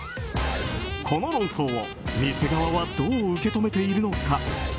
この論争を店側はどう受け止めているのか。